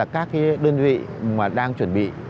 các đơn vị đang chuẩn bị